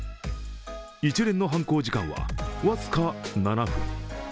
一連の犯行時間は、僅か７分。